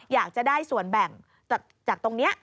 อยากจะได้ส่วนแบ่งจากตรงนี้